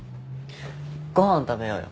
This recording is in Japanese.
ご飯食べようよ。